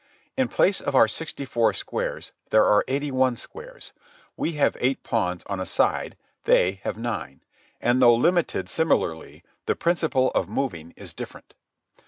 In place of our sixty four squares there are eighty one squares. We have eight pawns on a side; they have nine; and though limited similarly, the principle of moving is different.